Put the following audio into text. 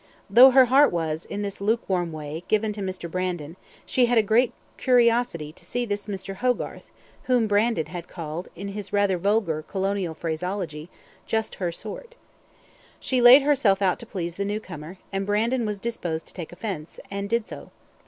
Though her heart was, in this lukewarm way, given to Mr. Brandon, she had a great curiosity to see this Mr. Hogarth, whom Brandon had called, in his rather vulgar colonial phraseology, "just her sort". She laid herself out to please the new comer; and Brandon was disposed to take offence and did so.